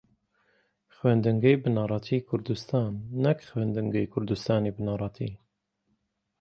خوێندنگەی بنەڕەتیی کوردستان نەک خوێندنگەی کوردستانی بنەڕەتی